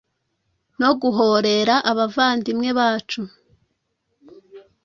no guhorera abavandimwe bacu